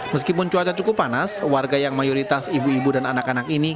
meskipun cuaca cukup panas warga yang mayoritas ibu ibu dan anak anak ini